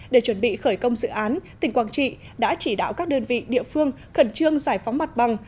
để chuẩn bị khởi công dự án tỉnh quảng trị đã chỉ đạo các đơn vị địa phương khẩn trương giải phóng mặt bằng